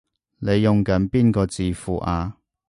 你用緊邊個字庫啊？